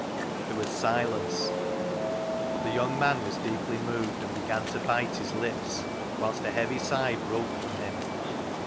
There was silence; the young man was deeply moved, and began to bite his lips, whilst a heavy sigh broke from him.